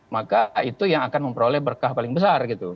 maka itu yang akan memperoleh berkah paling besar gitu